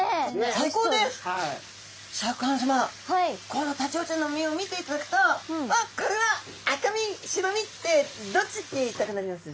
このタチウオちゃんの身を見ていただくとこれは赤身白身ってどっちって言いたくなります？